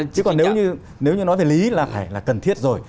chứ còn nếu như nói về lý là cần thiết rồi